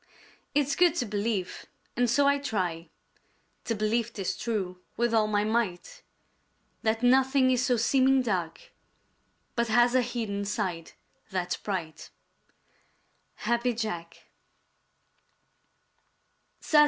It's good to believe, and so I try To believe 'tis true with all my might, That nothing is so seeming dark But has a hidden side that's bright. _Happy Jack.